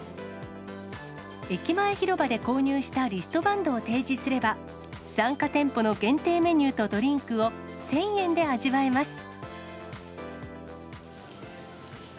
駅前広場で購入したリストバンドを提示すれば、参加店舗の限定メニューとドリンクを１０００円で味わえます。